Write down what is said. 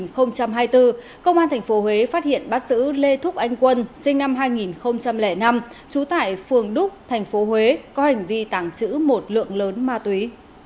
công an thành phố huế phát hiện bắt giữ lê thúc anh quân sinh năm hai nghìn năm trú tại phường đúc thành phố huế có hành vi tàng trữ một lượng lớn ma túy